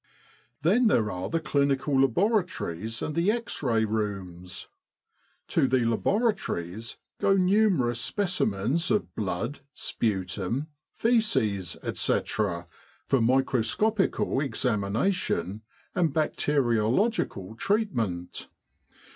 11 Then there are the Clinical Laboratories and the X Ray Rooms. To the laboratories go numerous specimens of blood, sputum, faeces, etc., for micro scopical examination and bacteriological treatment.